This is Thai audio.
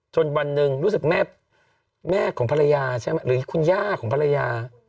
วันหนึ่งรู้สึกแม่ของภรรยาใช่ไหมหรือคุณย่าของภรรยา